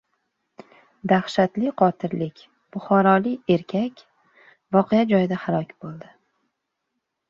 Dahshatli qotillik: buxorolik erkak voqea joyida halok bo‘ldi